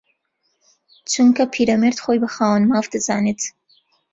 چونکە پیرەمێرد خۆی بە خاوەن ماف دەزانێت